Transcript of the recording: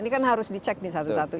ini kan harus dicek nih satu satu